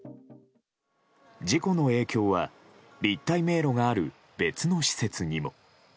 事故の影響は立体迷路がある別の施設にも。